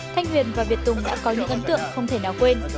thanh huyền và việt tùng đã có những ấn tượng không thể nào quên